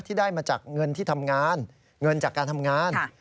ได้มาจากเงินที่ทำงานเงินจากการทำงาน